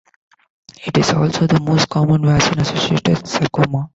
It is also the most common vaccine-associated sarcoma.